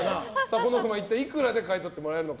この不満一体いくらで買い取ってもらえるのか。